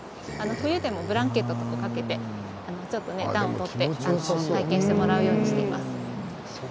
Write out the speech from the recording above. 冬でもブランケットとかをかけて暖を取って体験してもらうようにしています。